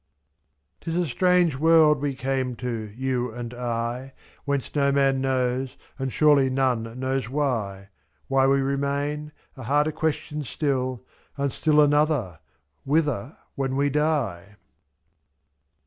r S7 *Tis a strange world we came to, You and I, Whence no man knows, and surely none knows why, . it Why we remain — a harder question still. And still another — whither when we die?